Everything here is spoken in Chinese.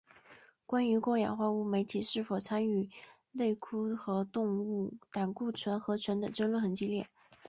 关于过氧化物酶体是否参与类萜和动物胆固醇合成的争论很激烈。